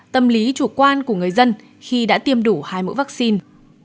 tâm lý chủ quan của người dân khi đã tiêm đủ hai mẫu vaccine